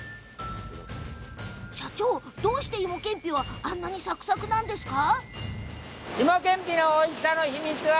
どうして、いもけんぴはあんなにサクサクなんですか？